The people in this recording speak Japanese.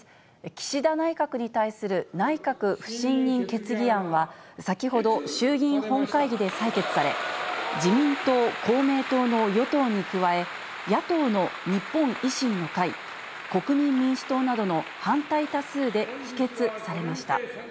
岸田内閣に対する内閣不信任決議案は、先ほど、衆議院本会議で採決され、自民党、公明党の与党に加え、野党の日本維新の会、国民民主党などの反対多数で否決されました。